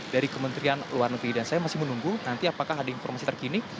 jadi saya masih menunggu nanti apakah ada informasi terkini